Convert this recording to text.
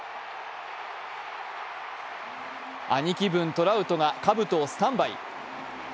兄貴分・トラウトがかぶとをスタンバイ。